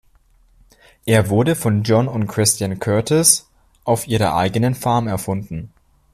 Er wurde von John und Christian Curtis auf ihrer eigenen Farm erfunden.